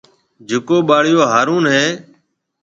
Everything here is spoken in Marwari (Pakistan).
جڪو ٻاݪيون هارون هيَ۔